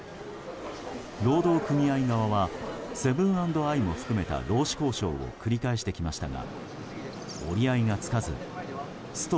労働組合側はセブン＆アイも含めた労使交渉を繰り返してきましたが折り合いがつかずスト